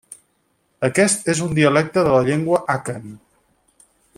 Aquest és un dialecte de la llengua àkan.